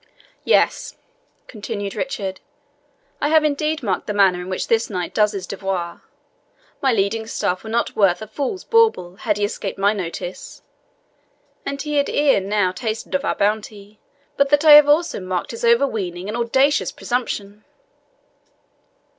"Yes," continued Richard, "I have indeed marked the manner in which this knight does his devoir. My leading staff were not worth a fool's bauble had he escaped my notice; and he had ere now tasted of our bounty, but that I have also marked his overweening and audacious presumption."